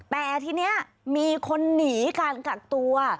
แต่ทีนี้มีคนหนีการกักตัว